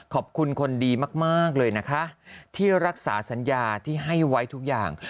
ขอบคุณคนดีมากเลยนะคะที่รักษาสัญญาที่ให้ไว้ทุกอย่าง